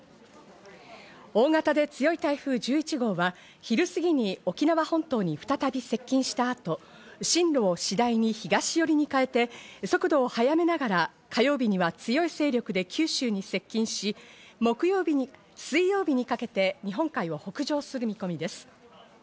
大型で強い台風１１号は、昼すぎに沖縄本島に再び接近したあと進路を次第に東よりに変えて速度を速めながら火曜日には強い勢力で九州に接近し、水曜日にかけて日本海を北上する見込みです。